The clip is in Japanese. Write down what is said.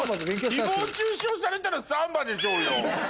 誹謗中傷されたらサンバでしょうよ。